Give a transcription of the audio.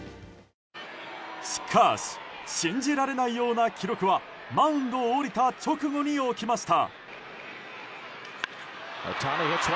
しかし信じられないような記録はマウンドを降りた直後に起きました。